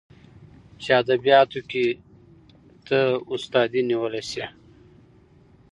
چې ادبياتو کې ته استادي نيولى شې.